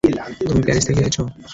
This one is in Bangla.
তুমি প্যারিস থেকে এসেছো?